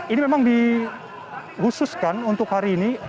ini memang di khususkan untuk hari ini